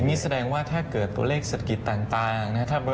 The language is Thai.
อันนี้แสดงว่าถ้าเกิดตัวเลขศัตริกิจต่างนะครับ